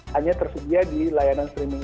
hanya tersedia di layanan streaming